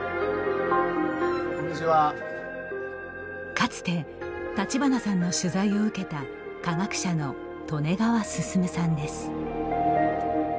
かつて立花さんの取材を受けた科学者の利根川進さんです。